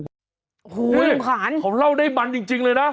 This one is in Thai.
หูยลุงขาวน่ะลุงขาวนค้ารเนี่ยเขาเล่าได้บันจริงเลยนะ